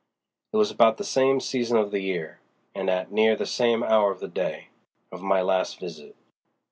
It was about the same season of the year, and at near the same hour of the day, of my last visit.